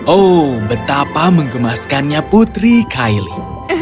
oh betapa mengemaskannya putri kylie